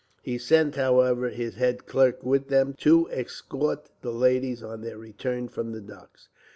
He sent, however, his head clerk with them, to escort the ladies on their return from the docks.